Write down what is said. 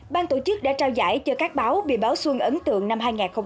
bang tổ chức đã trao giải cho các báo bìa báo xuân ấn tượng năm hai nghìn một mươi chín